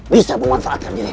bisa memanfaatkan diriku